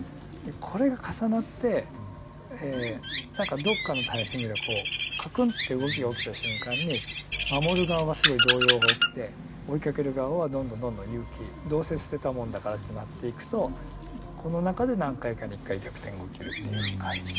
これが重なって何かどっかのタイミングでこうカクンって動きが起きた瞬間に守る側はすごい動揺が起きて追いかける側はどんどんどんどん勇気どうせ捨てたもんだからってなっていくとこの中で何回かに一回逆転が起きるっていう感じ。